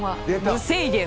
無制限！